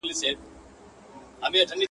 ژبور او سترګور دواړه په ګور دي.